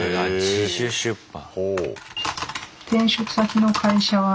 自主出版。